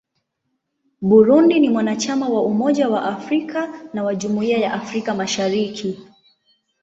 Burundi ni mwanachama wa Umoja wa Afrika na wa Jumuiya ya Afrika Mashariki.